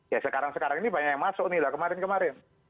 ya sekarang sekarang ini banyak yang masuk nih lah kemarin kemarin